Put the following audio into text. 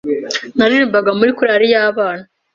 naririmbaga muri korari y’abana